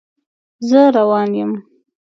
زه روان یم